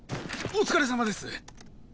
お疲れさまです！